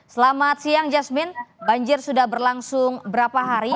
selamat siang jasmine banjir sudah berlangsung berapa hari